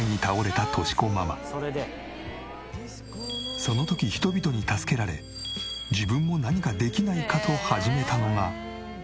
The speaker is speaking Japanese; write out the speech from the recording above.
その時人々に助けられ自分も何かできないかと始めたのが。